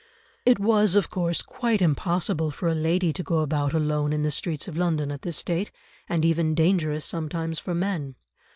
It was of course quite impossible for a lady to go about alone in the streets of London at this date, and even dangerous sometimes for men.